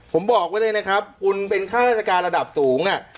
ผมบอกไว้เลยนะครับคุณเป็นค่าราชการระดับสูง